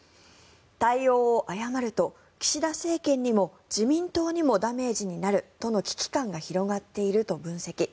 対応を誤ると岸田政権にも自民党にもダメージになるとの危機感が広がっていると分析。